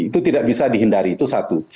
itu tidak bisa dihindari itu satu